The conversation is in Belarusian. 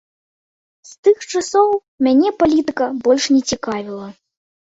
З тых часоў мяне палітыка больш не цікавіла.